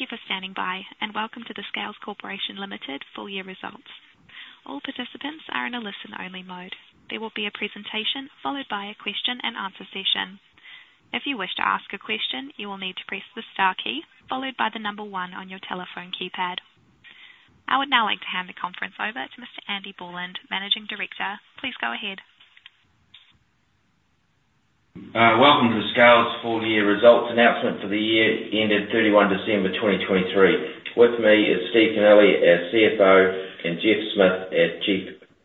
Thank you for standing by, and welcome to the Scales Corporation Limited Full Year Results. All participants are in a listen-only mode. There will be a presentation, followed by a question and answer session. If you wish to ask a question, you will need to press the star key, followed by the number one on your telephone keypad. I would now like to hand the conference over to Mr. Andy Borland, Managing Director. Please go ahead. Welcome to Scales' full year results announcement for the year ending 31 December 2023. With me is Steve Kennelly, our CFO, and Geoff Smith, our Chief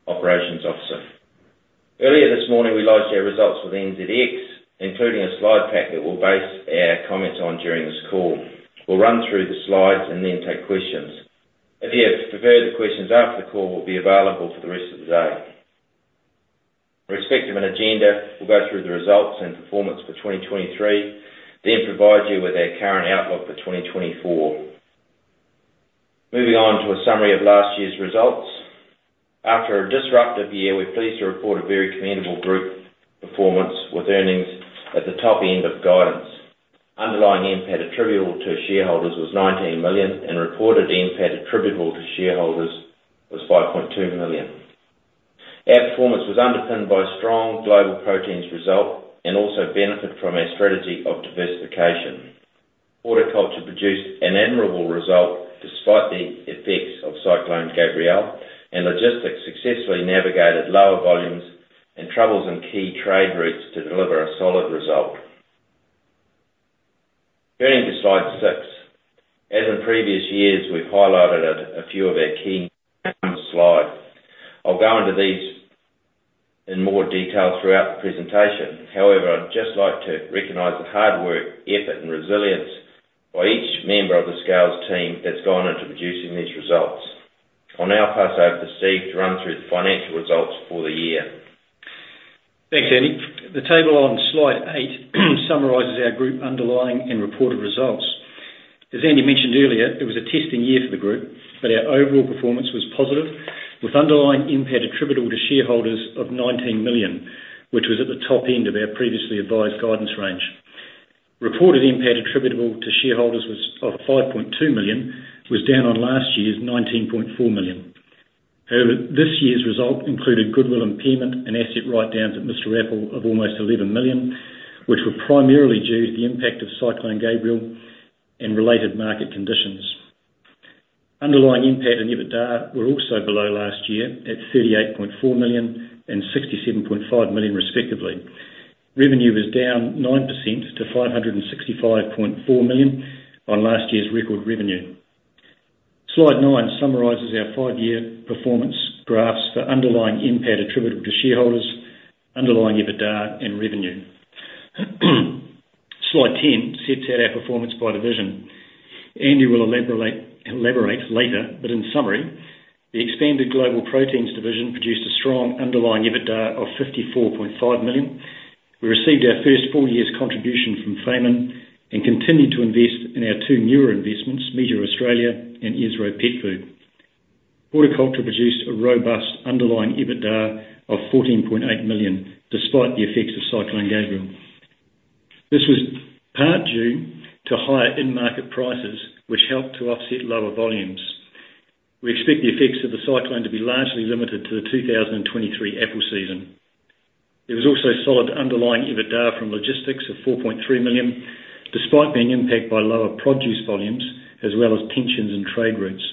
Operating Officer. Earlier this morning, we launched our results with NZX, including a slide pack that we'll base our comments on during this call. We'll run through the slides and then take questions. If you have further questions after the call, we'll be available for the rest of the day. With respect to an agenda, we'll go through the results and performance for 2023, then provide you with our current outlook for 2024. Moving on to a summary of last year's results. After a disruptive year, we're pleased to report a very commendable group performance with earnings at the top end of guidance. Underlying NPAT attributable to shareholders was 19 million, and reported NPAT attributable to shareholders was 5.2 million. Our performance was underpinned by strong Global Proteins result and also benefited from our strategy of diversification. Horticulture produced an admirable result, despite the effects of Cyclone Gabrielle, and Logistics successfully navigated lower volumes and troubles in key trade routes to deliver a solid result. Turning to slide 6. As in previous years, we've highlighted a few of our key slides. I'll go into these in more detail throughout the presentation. However, I'd just like to recognize the hard work, effort, and resilience by each member of the Scales team that's gone into producing these results. I'll now pass over to Steve to run through the financial results for the year. Thanks, Andy. The table on slide eight summarizes our group underlying and reported results. As Andy mentioned earlier, it was a testing year for the group, but our overall performance was positive, with underlying NPAT attributable to shareholders of 19 million, which was at the top end of our previously advised guidance range. Reported NPAT attributable to shareholders was of 5.2 million, was down on last year's 19.4 million. However, this year's result included goodwill impairment and asset write-downs at Mr Apple of almost 11 million, which were primarily due to the impact of Cyclone Gabrielle and related market conditions. Underlying NPAT and EBITDA were also below last year, at 38.4 million and 67.5 million respectively. Revenue was down 9% to 565.4 million on last year's record revenue. Slide nine summarizes our five-year performance graphs for underlying NPAT attributable to shareholders, underlying EBITDA and revenue. Slide 10 sets out our performance by division. Andy will elaborate later, but in summary, the expanded Global Proteins division produced a strong underlying EBITDA of 54.5 million. We received our first full year's contribution from Fayman, and continued to invest in our two newer investments, Meateor Australia and Esro Petfood. Horticulture produced a robust underlying EBITDA of 14.8 million, despite the effects of Cyclone Gabrielle. This was part due to higher end market prices, which helped to offset lower volumes. We expect the effects of the cyclone to be largely limited to the 2023 apple season. There was also a solid underlying EBITDA from logistics of 4.3 million, despite being impacted by lower produce volumes, as well as tensions in trade routes.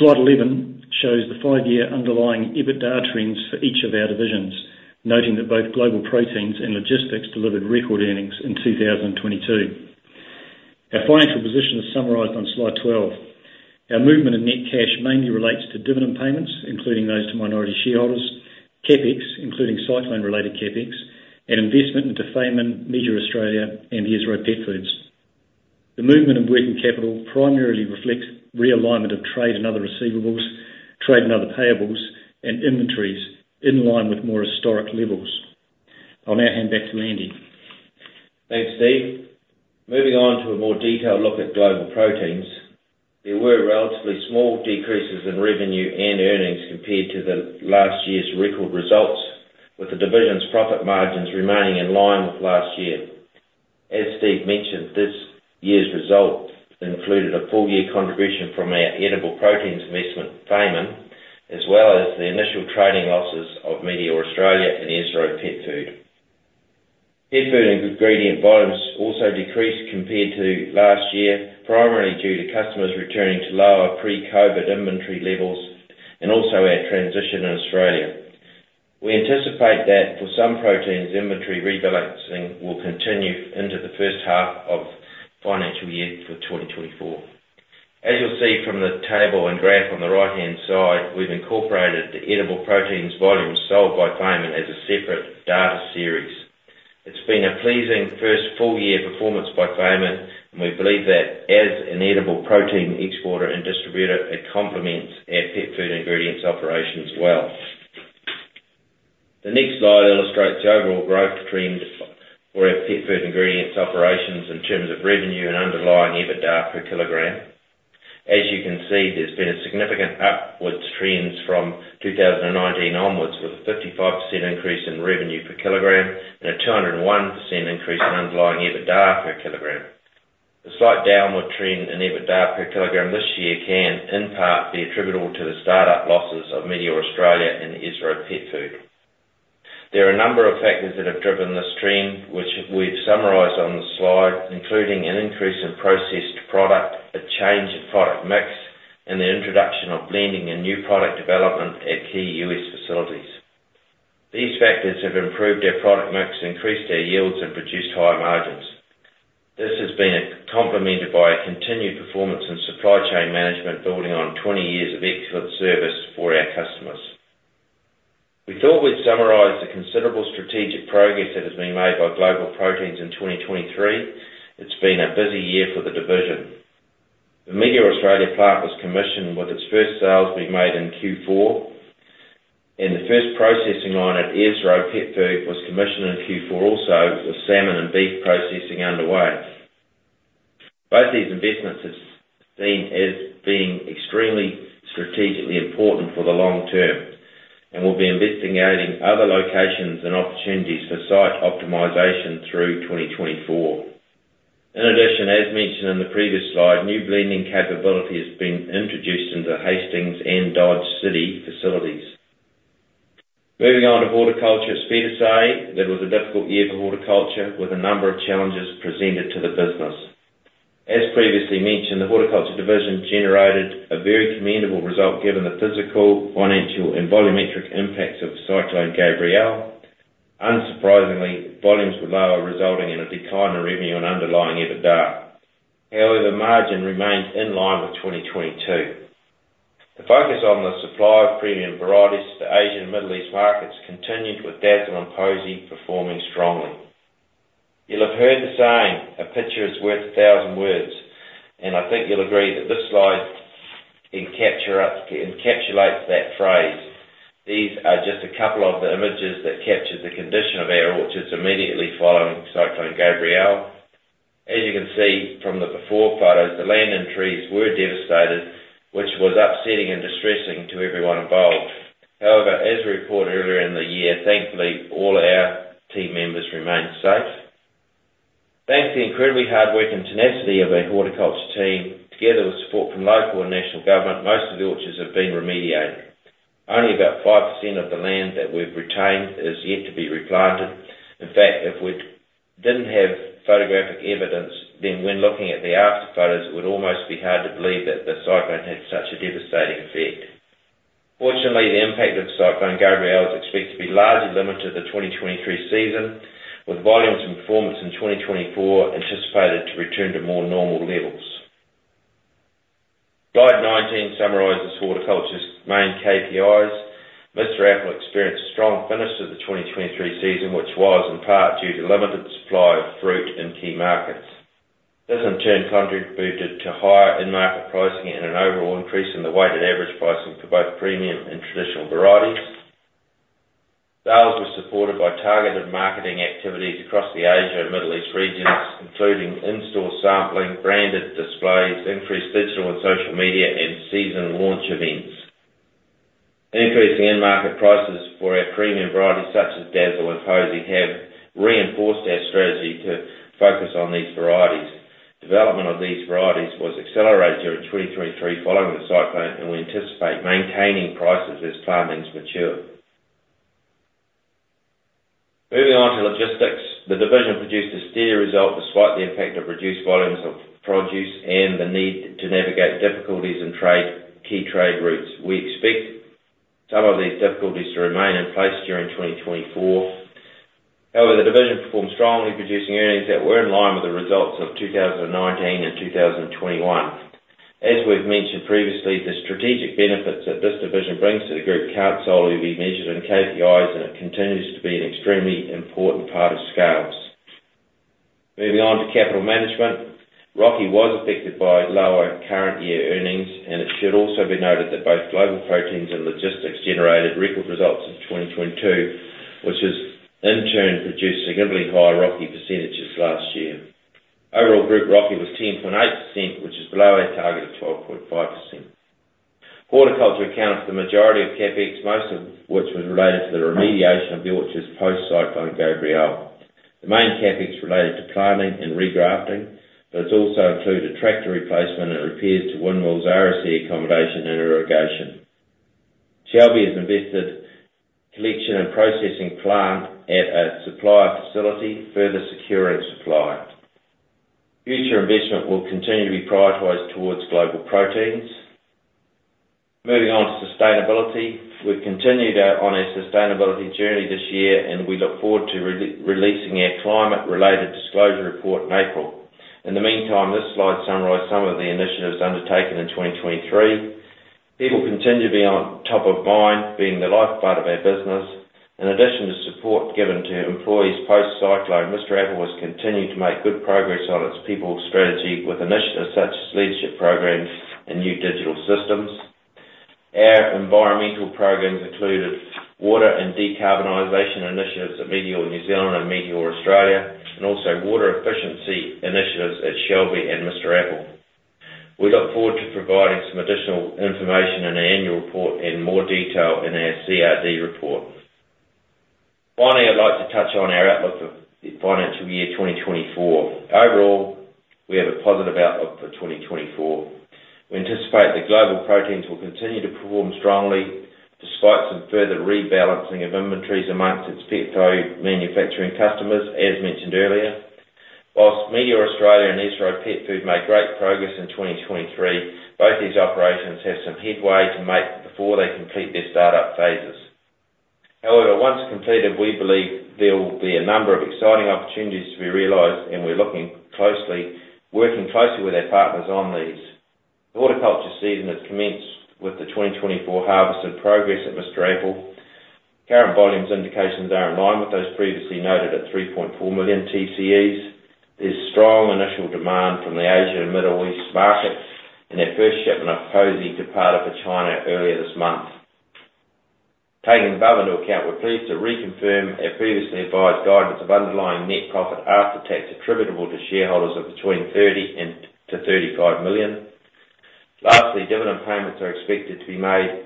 Slide 11 shows the five-year underlying EBITDA trends for each of our divisions, noting that both Global Proteins and Logistics delivered record earnings in 2022. Our financial position is summarized on Slide 12. Our movement in net cash mainly relates to dividend payments, including those to minority shareholders, CapEx, including cyclone-related CapEx, and investment into Fayman, Meateor Australia, and Esro Petfoods. The movement of working capital primarily reflects realignment of trade and other receivables, trade and other payables, and inventories in line with more historic levels. I'll now hand back to Andy. Thanks, Steve. Moving on to a more detailed look at Global Proteins, there were relatively small decreases in revenue and earnings compared to the last year's record results, with the division's profit margins remaining in line with last year. As Steve mentioned, this year's result included a full year contribution from our Edible Proteins investment, Fayman, as well as the initial trading losses of Meateor Australia and Esro Petfood. Pet food and ingredient volumes also decreased compared to last year, primarily due to customers returning to lower pre-COVID inventory levels, and also our transition in Australia. We anticipate that for some proteins, inventory rebalancing will continue into the first half of financial year 2024. As you'll see from the table and graph on the right-hand side, we've incorporated the edible proteins volumes sold by Fayman as a separate data series. It's been a pleasing first full-year performance by Fayman, and we believe that as an edible protein exporter and distributor, it complements our pet food ingredients operations well. The next slide illustrates the overall growth trend for our pet food ingredients operations in terms of revenue and underlying EBITDA per kilogram.... As you can see, there's been a significant upwards trends from 2019 onwards, with a 55% increase in revenue per kilogram and a 201% increase in underlying EBITDA per kilogram. The slight downward trend in EBITDA per kilogram this year can, in part, be attributable to the startup losses of Meateor Australia and Esro Petfood. There are a number of factors that have driven this trend, which we've summarized on the slide, including: an increase in processed product, a change in product mix, and the introduction of blending and new product development at key US facilities. These factors have improved our product mix, increased our yields, and produced higher margins. This has been complemented by a continued performance in supply chain management, building on 20 years of excellent service for our customers. We thought we'd summarize the considerable strategic progress that has been made by Global Proteins in 2023. It's been a busy year for the division. The Meateor Australia plant was commissioned, with its first sales being made in Q4, and the first processing line at Esro Petfood was commissioned in Q4 also, with salmon and beef processing underway. Both these investments have seen as being extremely strategically important for the long term, and we'll be investigating other locations and opportunities for site optimization through 2024. In addition, as mentioned in the previous slide, new blending capability has been introduced into Hastings and Dodge City facilities. Moving on to Horticulture. It's fair to say that it was a difficult year for Horticulture, with a number of challenges presented to the business. As previously mentioned, the Horticulture division generated a very commendable result, given the physical, financial, and volumetric impacts of Cyclone Gabrielle. Unsurprisingly, volumes were lower, resulting in a decline in revenue and underlying EBITDA. However, margin remains in line with 2022. The focus on the supply of premium varieties to Asian and Middle East markets continued, with Dazzle and Posy performing strongly. You'll have heard the saying, "A picture is worth a thousand words," and I think you'll agree that this slide encapsulates that phrase. These are just a couple of the images that capture the condition of our orchards immediately following Cyclone Gabrielle. As you can see from the before photos, the land and trees were devastated, which was upsetting and distressing to everyone involved. However, as we reported earlier in the year, thankfully, all our team members remained safe. Thanks to the incredibly hard work and tenacity of our Horticulture team, together with support from local and national government, most of the orchards have been remediated. Only about 5% of the land that we've retained is yet to be replanted. In fact, if we didn't have photographic evidence, then when looking at the after photos, it would almost be hard to believe that the cyclone had such a devastating effect. Fortunately, the impact of Cyclone Gabrielle is expected to be largely limited to the 2023 season, with volumes and performance in 2024 anticipated to return to more normal levels. Slide 19 summarizes Horticulture's main KPIs. Mr Apple experienced a strong finish to the 2023 season, which was in part due to limited supply of fruit in key markets. This, in turn, contributed to higher end market pricing and an overall increase in the weighted average pricing for both premium and traditional varieties. Sales were supported by targeted marketing activities across the Asia and Middle East regions, including in-store sampling, branded displays, increased digital and social media, and season launch events. Increasing end market prices for our premium varieties, such as Dazzle and Posy, have reinforced our strategy to focus on these varieties. Development of these varieties was accelerated during 2023, following the cyclone, and we anticipate maintaining prices as plantings mature. Moving on to Logistics. The division produced a steady result, despite the impact of reduced volumes of produce and the need to navigate difficulties in key trade routes. We expect some of these difficulties to remain in place during 2024. However, the division performed strongly, producing earnings that were in line with the results of 2019 and 2021. As we've mentioned previously, the strategic benefits that this division brings to the group can't solely be measured in KPIs, and it continues to be an extremely important part of Scales. Moving on to capital management. ROCE was affected by lower current year earnings, and it should also be noted that both Global Proteins and Logistics generated record results in 2022, which has in turn produced significantly higher ROCE percentages last year. Overall, group ROCE was 10.8%, which is below our target of 12.5%. Horticulture accounts for the majority of CapEx, most of which was related to the remediation of the orchards post-Cyclone Gabrielle. The main CapEx related to planting and regrafting, but it's also included tractor replacement and repairs to windmills, RSE accommodation, and irrigation. Shelby has invested collection and processing plant at a supplier facility, further securing supply. Future investment will continue to be prioritized towards Global Proteins. Moving on to sustainability. We've continued on our sustainability journey this year, and we look forward to releasing our climate-related disclosure report in April. In the meantime, this slide summarizes some of the initiatives undertaken in 2023. People continue to be on top of mind, being the lifeblood of our business. In addition to support given to employees post-cyclone, Mr Apple has continued to make good progress on its people strategy with initiatives such as leadership programs and new digital systems.... Our environmental programs included water and decarbonization initiatives at Meateor New Zealand and Meateor Australia, and also water efficiency initiatives at Shelby and Mr Apple. We look forward to providing some additional information in our annual report in more detail in our CRD report. Finally, I'd like to touch on our outlook for the financial year 2024. Overall, we have a positive outlook for 2024. We anticipate that Global Proteins will continue to perform strongly, despite some further rebalancing of inventories amongst its pet food manufacturing customers, as mentioned earlier. While Meateor Australia and Esro Petfood made great progress in 2023, both these operations have some headway to make before they complete their start-up phases. However, once completed, we believe there will be a number of exciting opportunities to be realized, and we're looking closely, working closely with our partners on these. The horticulture season has commenced with the 2024 harvest and progress at Mr Apple. Current volumes indications are in line with those previously noted at 3.4 million TCEs. There's strong initial demand from the Asia and Middle East markets, and our first shipment of Posy departed for China earlier this month. Taking the above into account, we're pleased to reconfirm our previously advised guidance of underlying net profit after tax attributable to shareholders of between 30 million and 35 million. Lastly, dividend payments are expected to be made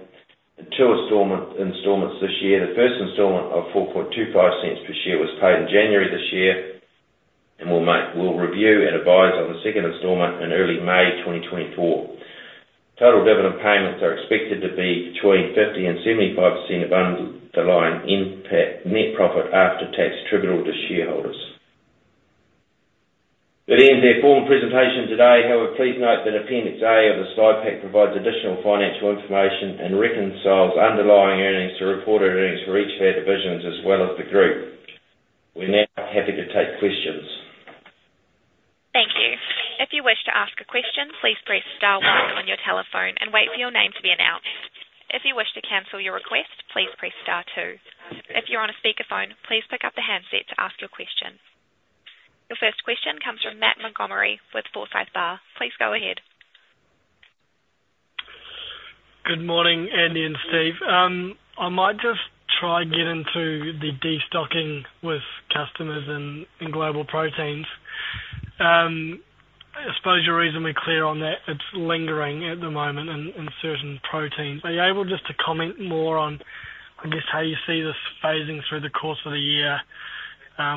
in two installments this year. The first installment of 0.0425 per share was paid in January this year, and we'll review and advise on the second installment in early May 2024. Total dividend payments are expected to be between 50%-75% of underlying NPAT. That ends our formal presentation today; however, please note that Appendix A of the slide pack provides additional financial information and reconciles underlying earnings to reported earnings for each of our divisions, as well as the group. We're now happy to take questions. Thank you. If you wish to ask a question, please press star one on your telephone and wait for your name to be announced. If you wish to cancel your request, please press star two. If you're on a speakerphone, please pick up the handset to ask your question. Your first question comes from Matt Montgomerie with Forsyth Barr. Please go ahead. Good morning, Andy and Steve. I might just try and get into the destocking with customers in, in Global Proteins. I suppose you're reasonably clear on that it's lingering at the moment in, in certain proteins. Are you able just to comment more on, I guess, how you see this phasing through the course of the year?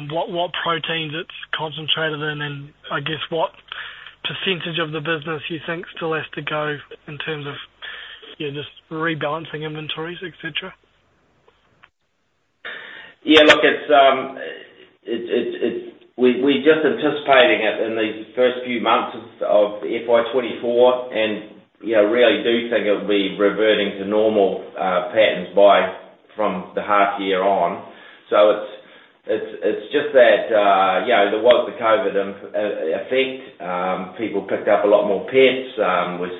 What, what proteins it's concentrated in, and I guess, what percentage of the business you think still has to go in terms of, yeah, just rebalancing inventories, et cetera? Yeah, look, it's we're just anticipating it in these first few months of FY 2024, and, you know, really do think it'll be reverting to normal patterns from the half year on. So it's just that, you know, there was the COVID effect. People picked up a lot more pets.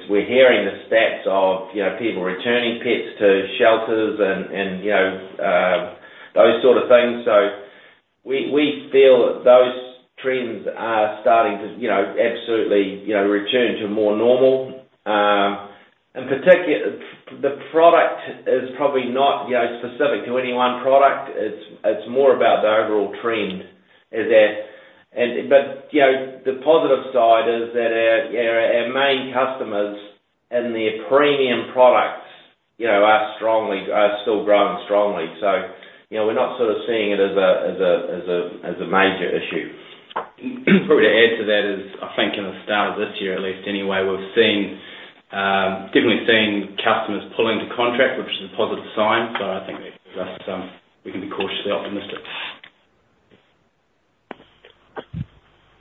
We're hearing the stats of, you know, people returning pets to shelters and, you know, those sort of things. So we feel those trends are starting to, you know, absolutely, you know, return to more normal. And the product is probably not, you know, specific to any one product. It's more about the overall trend, is that... You know, the positive side is that our main customers and their premium products, you know, are still growing strongly. So, you know, we're not sort of seeing it as a major issue. Probably to add to that is, I think at the start of this year, at least anyway, we've seen definitely seeing customers pulling to contract, which is a positive sign, so I think that gives us we can be cautiously optimistic.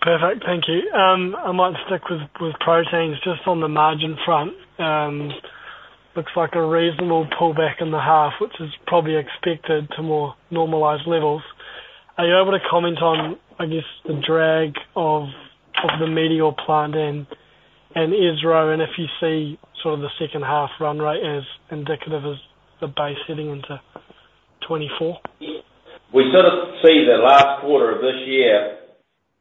Perfect. Thank you. I might stick with, with proteins just on the margin front. Looks like a reasonable pullback in the half, which is probably expected to more normalized levels. Are you able to comment on, I guess, the drag of, of the Meateor plant and, and Esro, and if you see sort of the second half run rate as indicative as the base heading into 2024? We sort of see the last quarter of this year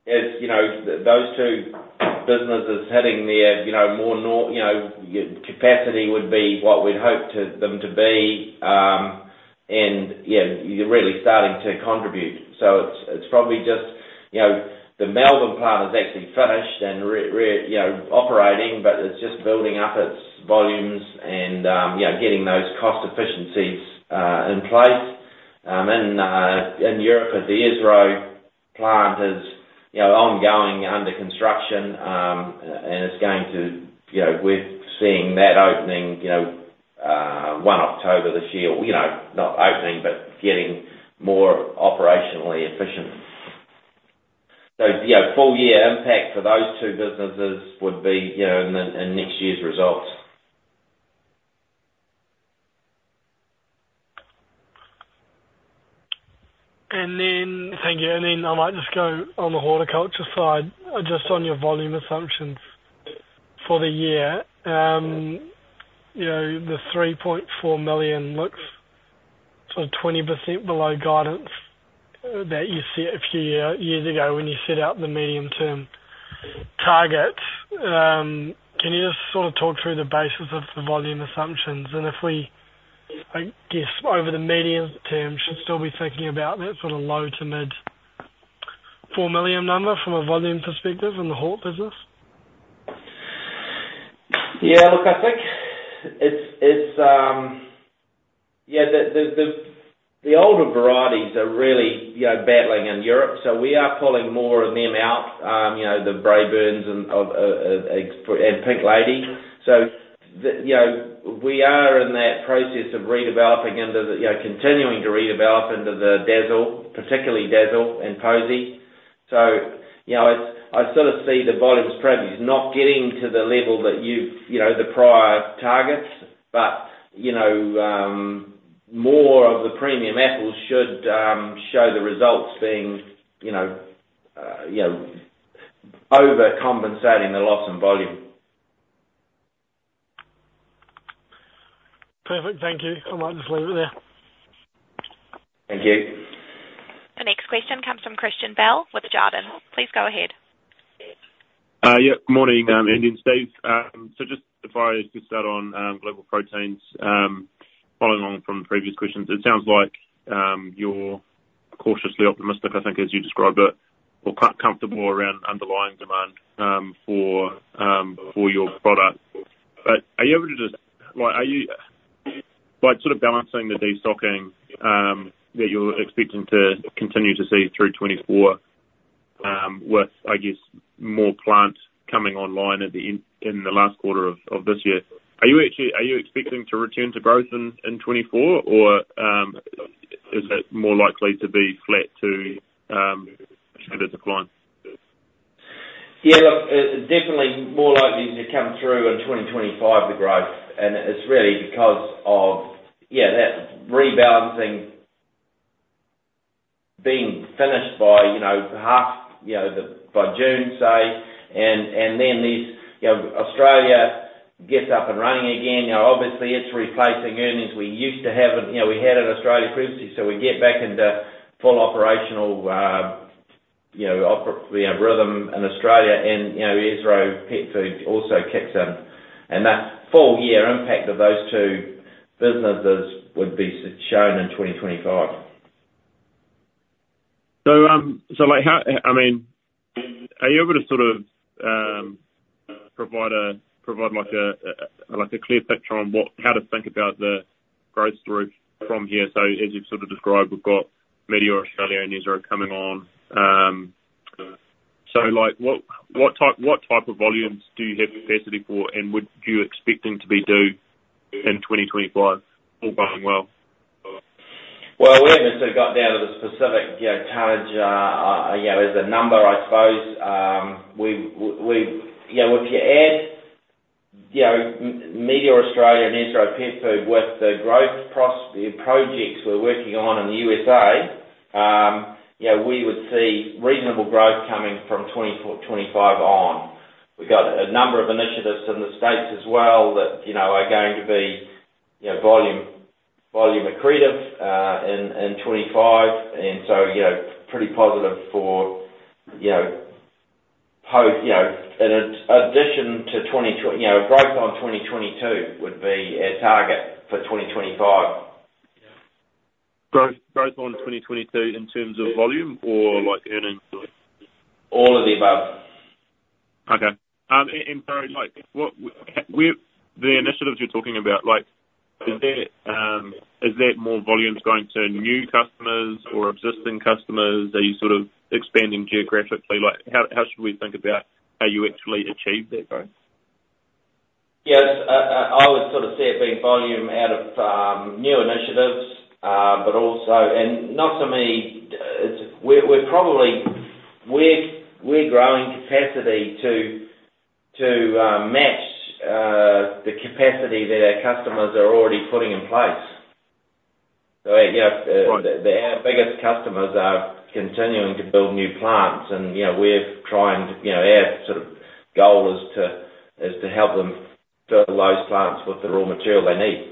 as, you know, those two businesses hitting their, you know, more normal capacity would be what we'd hope for them to be. And, yeah, you're really starting to contribute. So it's, it's probably just, you know, the Melbourne plant is actually finished and operating, but it's just building up its volumes and, yeah, getting those cost efficiencies in place. In Europe, the Esro plant is, you know, ongoing under construction, and it's going to, you know... We're seeing that opening 1 October this year. You know, not opening, but getting more operationally efficient. So, yeah, full year impact for those two businesses would be, you know, in next year's results. Thank you. I might just go on the horticulture side, just on your volume assumptions for the year. You know, the 3.4 million looks so 20% below guidance that you set a few years ago when you set out the medium-term targets. Can you just sort of talk through the basis of the volume assumptions, and if we, I guess, over the medium term, should still be thinking about that sort of low- to mid-4 million number from a volume perspective in the hort business? Yeah, look, I think it's the older varieties are really, you know, battling in Europe, so we are pulling more of them out, you know, the Braeburns and Pink Lady. So, you know, we are in that process of redeveloping into the, you know, continuing to redevelop into the Dazzle, particularly Dazzle and Posy. So, you know, I sort of see the volumes probably not getting to the level that you've, you know, the prior targets, but, you know, more of the premium apples should show the results being, you know, overcompensating the loss in volume. Perfect. Thank you. I might just leave it there. Thank you. The next question comes from Christian Bell with Jarden. Please go ahead. Yeah, good morning, Andy and Steve. So just if I just start on Global Proteins, following along from previous questions, it sounds like you're cautiously optimistic, I think, as you described it, or quite comfortable around underlying demand for your product. But are you able to just... Like, are you like, sort of balancing the destocking that you're expecting to continue to see through '2024 with, I guess, more plants coming online at the end, in the last quarter of this year. Are you actually, are you expecting to return to growth in '2024? Or is it more likely to be flat to show the decline? Yeah, look, definitely more likely to come through in 2025, the growth, and it's really because of, yeah, that rebalancing being finished by, you know, half, you know, the, by June, say, and, and then these, you know, Australia gets up and running again. You know, obviously, it's replacing earnings we used to have and, you know, we had in Australia previously. So we get back into full operational, you know, rhythm in Australia and, you know, Esro Petfood also kicks in. And that full year impact of those two businesses would be shown in 2025. So, like, how, I mean, are you able to sort of provide like a clear picture on what—how to think about the growth story from here? So as you've sort of described, we've got Meateor Australia and Esro coming on. So, like, what type of volumes do you have capacity for, and would you expect them to be due in 2025, all going well? Well, we haven't sort of got down to the specific, you know, tonnage, you know, as a number, I suppose. We... You know, if you add, you know, Meateor Australia and Esro Petfood with the growth projects we're working on in the USA, you know, we would see reasonable growth coming from 2024, 2025 on. We've got a number of initiatives in the States as well, that, you know, are going to be, you know, volume, volume accretive, in, in 2025, and so, you know, pretty positive for, you know, post, you know, in addition to twenty tw- you know, growth on 2022 would be our target for 2025. Growth, growth on 2022 in terms of volume or, like, earnings? All of the above. Okay, and sorry, like, what, where the initiatives you're talking about, like, is that more volumes going to new customers or existing customers? Are you sort of expanding geographically? Like, how should we think about how you actually achieve that growth? Yes, I would sort of see it being volume out of new initiatives, but also... And not so many, we're probably growing capacity to match the capacity that our customers are already putting in place. So, you know- Right... Our biggest customers are continuing to build new plants and, you know, we're trying to, you know, our sort of goal is to help them fill those plants with the raw material they need.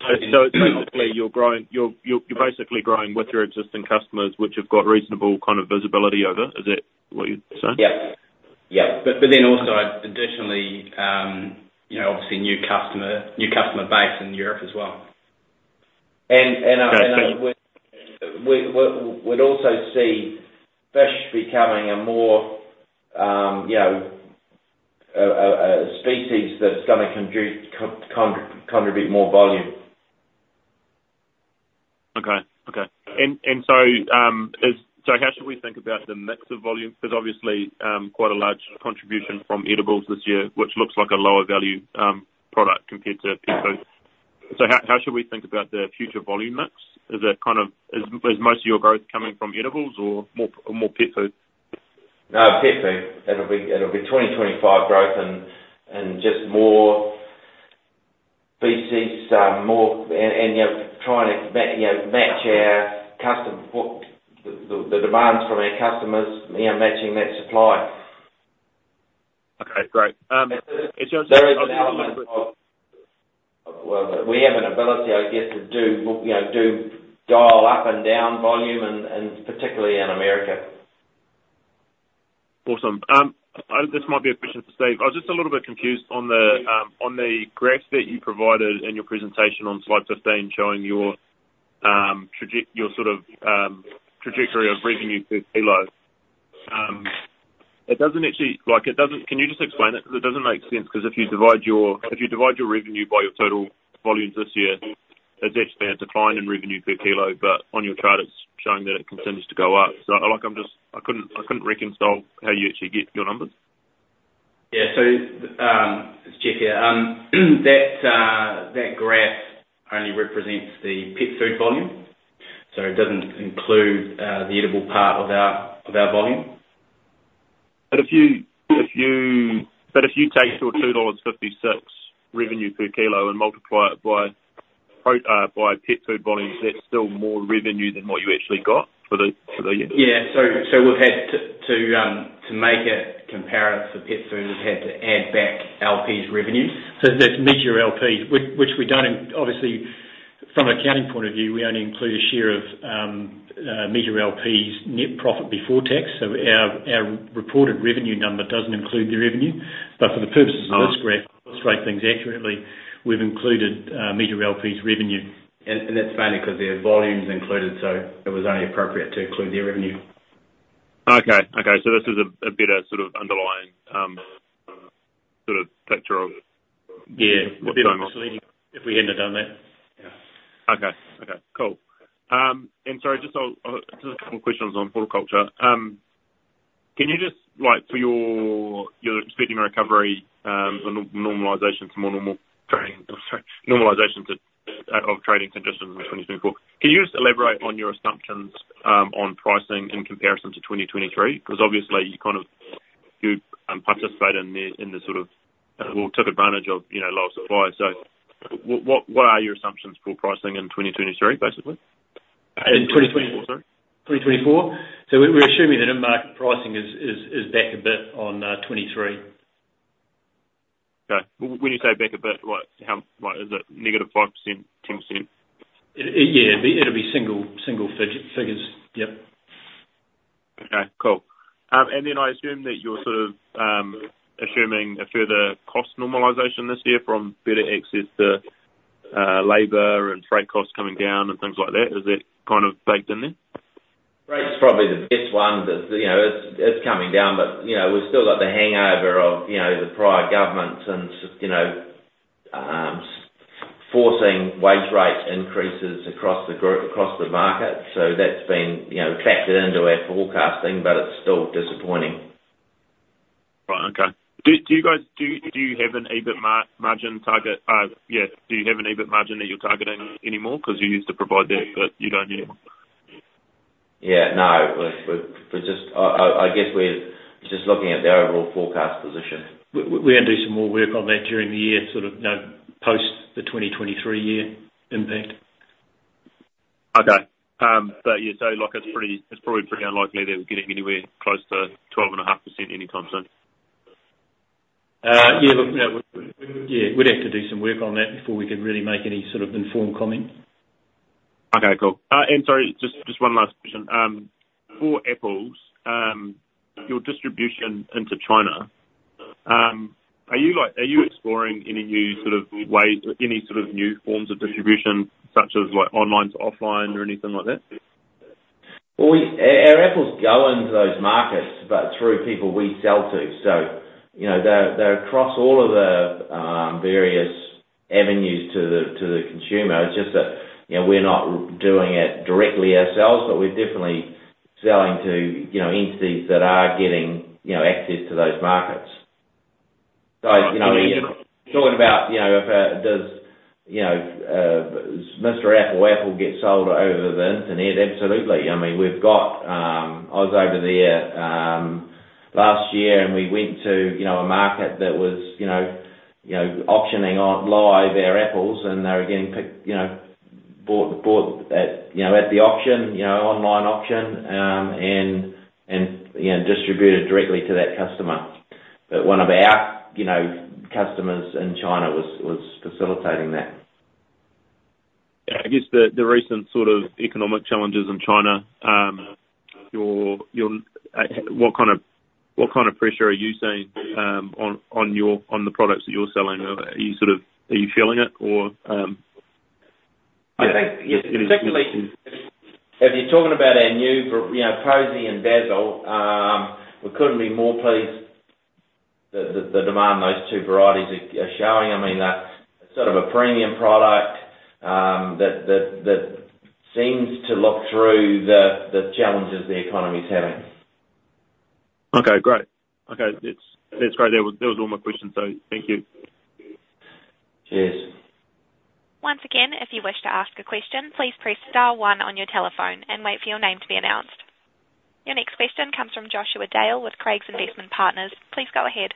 So basically, you're growing with your existing customers, which you've got reasonable kind of visibility over. Is that what you're saying? Yeah. Yeah. But then also, additionally, you know, obviously new customer, new customer base in Europe as well. And Okay... We'd also see fish becoming a more, you know, a species that's gonna contribute more volume. Okay, okay. And so, how should we think about the mix of volume? There's obviously quite a large contribution from edibles this year, which looks like a lower value product compared to pet food. So how should we think about the future volume mix? Is it kind of most of your growth coming from edibles or more pet food? No, pet food. It'll be 2025 growth and just more beef, some more. And you know, trying to match our customers, the demands from our customers, you know, matching that supply.... Great. It's just- There is an element of, well, we have an ability, I guess, to do, you know, dial up and down volume and particularly in America. Awesome. This might be a question for Steve. I was just a little bit confused on the graph that you provided in your presentation on slide 15, showing your sort of trajectory of revenue per kilo. It doesn't actually—like, it doesn't... Can you just explain it? 'Cause it doesn't make sense, 'cause if you divide your revenue by your total volumes this year, there's actually a decline in revenue per kilo, but on your chart, it's showing that it continues to go up. So, like, I'm just—I couldn't, I couldn't reconcile how you actually get your numbers. Yeah. So, it's Geoff here. That graph only represents the pet food volume, so it doesn't include the edible part of our volume. But if you take your 2.56 dollars revenue per kilo and multiply it by pet food volume, that's still more revenue than what you actually got for the year. Yeah. So we've had to make it comparative to pet food, we've had to add back LP's revenue. So that's Meateor Pet Foods LP, obviously, from an accounting point of view, we only include a share of Meateor Pet Foods LP's net profit before tax. So our reported revenue number doesn't include their revenue. But for the purposes of this graph, to illustrate things accurately, we've included Meateor Pet Foods LP's revenue. That's mainly 'cause their volume is included, so it was only appropriate to include their revenue. Okay. Okay, so this is a better sort of underlying, sort of picture of- Yeah. What's going on? If we hadn't have done that, yeah. Okay. Okay, cool. Sorry, just a couple questions on horticulture. Can you just, like, for your, you're expecting a recovery or normalization to more normal trading, sorry, normalization to of trading conditions in 2024. Can you just elaborate on your assumptions on pricing in comparison to 2023? 'Cause obviously you kind of, you participate in the, in the sort of or took advantage of, you know, lower supply. So what are your assumptions for pricing in 2023, basically? In 2020- Sorry. 2024? So we, we're assuming that in-market pricing is back a bit on 2023. Okay. When you say back a bit, like, how, like, is it negative 5%, 10%? Yeah, it'll be single, single figures. Yep. Okay, cool. And then I assume that you're sort of assuming a further cost normalization this year from better access to labor and freight costs coming down and things like that. Is that kind of baked in there? Freight's probably the best one, but, you know, it's, it's coming down, but, you know, we've still got the hangover of, you know, the prior government and, you know, forcing wage rate increases across the group, across the market. So that's been, you know, factored into our forecasting, but it's still disappointing. Right. Okay. Do you guys have an EBIT margin target? Yeah, do you have an EBIT margin that you're targeting anymore? 'Cause you used to provide that, but you don't anymore. Yeah, no. We're just... I guess we're just looking at the overall forecast position. We're gonna do some more work on that during the year, sort of, you know, post the 2023 year impact. Okay. But yeah, so like it's pretty, it's probably pretty unlikely that we're getting anywhere close to 12.5% anytime soon? Yeah, look, yeah, we'd have to do some work on that before we could really make any sort of informed comment. Okay, cool. Sorry, just one last question. For apples, your distribution into China, are you, like, exploring any new sort of ways or any sort of new forms of distribution, such as, like, online to offline or anything like that? Well, our apples go into those markets, but through people we sell to, so, you know, they're, they're across all of the, various avenues to the, to the consumer. It's just that, you know, we're not doing it directly ourselves, but we're definitely selling to, you know, entities that are getting, you know, access to those markets. So, you know, talking about, you know, if, does, you know, Mr Apple apples get sold over the internet? Absolutely. I mean, we've got... I was over there last year, and we went to, you know, a market that was, you know, auctioning off live their apples, and they were getting, you know, bought at, you know, at the auction, you know, online auction, and, you know, distributed directly to that customer. But one of our, you know, customers in China was facilitating that. Yeah, I guess the recent sort of economic challenges in China, what kind of pressure are you seeing on the products that you're selling? Are you sort of feeling it or- I think, yeah, particularly if you're talking about our new v- you know, Posy and Dazzle, we couldn't be more pleased the demand those two varieties are showing. I mean, that's sort of a premium product that seems to look through the challenges the economy is having. Okay, great. Okay, that's great. That was all my questions, so thank you. Cheers. Once again, if you wish to ask a question, please press star one on your telephone and wait for your name to be announced. Your next question comes from Joshua Dale with Craigs Investment Partners. Please go ahead.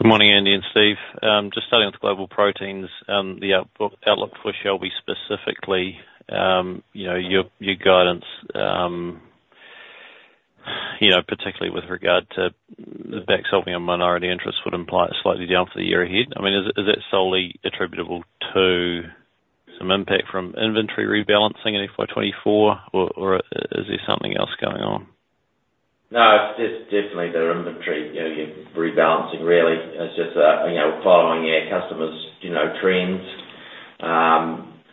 Good morning, Andy and Steve. Just starting with Global Proteins, the outlook for Shelby specifically, you know, your, your guidance, you know, particularly with regard to back selling a minority interest would imply slightly down for the year ahead. I mean, is, is that solely attributable to some impact from inventory rebalancing in FY 2024, or, or is there something else going on? No, it's just definitely the inventory, you know, you're rebalancing really. It's just, you know, following our customers, you know, trends.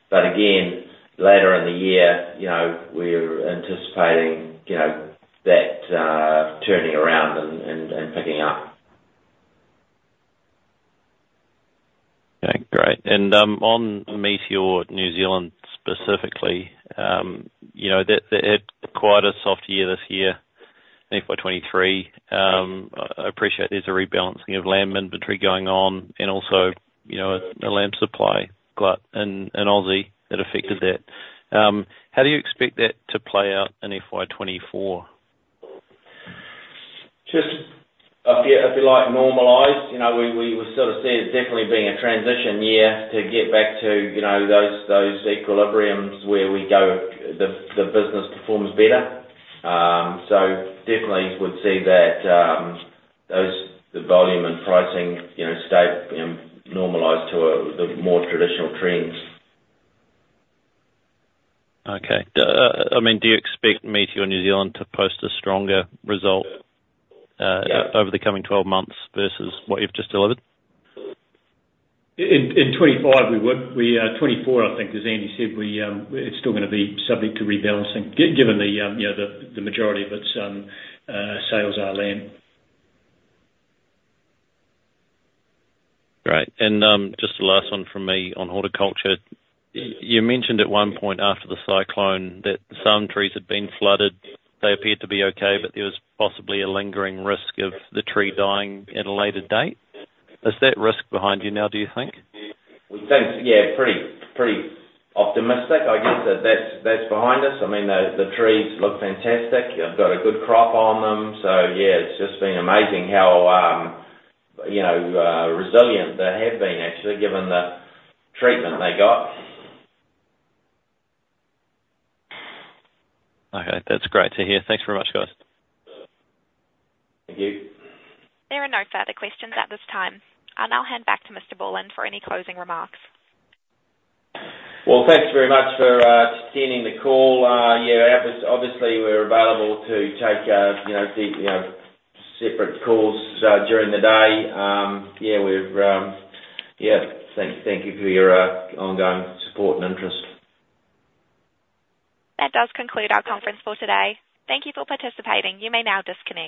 But again, later in the year, you know, we're anticipating, you know, that, turning around and, and, and picking up. Okay, great. On Meateor New Zealand specifically, you know, they had quite a soft year this year, FY 2023. I appreciate there's a rebalancing of land inventory going on, and also, you know, a land supply glut in Aussie that affected that. How do you expect that to play out in FY 2024? Just, yeah, if you like, normalized. You know, we were sort of seeing it definitely being a transition year to get back to, you know, those equilibriums where we go, the business performs better. So definitely would see that, those, the volume and pricing, you know, stay normalized to the more traditional trends. Okay. I mean, do you expect Meateor New Zealand to post a stronger result over the coming 12 months versus what you've just delivered? In 2025, we would... We 2024, I think, as Andy said, we it's still gonna be subject to rebalancing, given the, you know, the majority of its sales are land. Great. And, just the last one from me on horticulture. You mentioned at one point after the cyclone that some trees had been flooded. They appeared to be okay, but there was possibly a lingering risk of the tree dying at a later date. Is that risk behind you now, do you think? We think, yeah, pretty, pretty optimistic. I guess that's behind us. I mean, the trees look fantastic, they've got a good crop on them. So yeah, it's just been amazing how, you know, resilient they have been actually, given the treatment they got. Okay. That's great to hear. Thanks very much, guys. Thank you. There are no further questions at this time. I'll now hand back to Mr. Borland for any closing remarks. Well, thanks very much for attending the call. Yeah, obviously, we're available to take, you know, separate calls during the day. Yeah, thank you for your ongoing support and interest. That does conclude our conference call today. Thank you for participating. You may now disconnect.